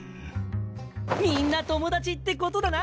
みんな友達ってことだな！